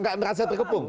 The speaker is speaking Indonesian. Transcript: ga merasa terkepung